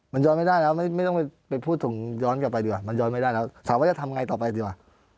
มันย้อนไม่ได้แล้วไม่ต้องไปพูดถึงย้อนกลับไปดีกว่ามันย้อนไม่ได้แล้วถามว่าจะทำไงต่อไปดีกว่า